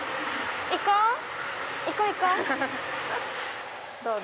行こう！